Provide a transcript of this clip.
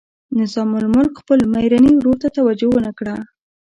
نظام الملک خپل میرني ورور ته توجه ونه کړه.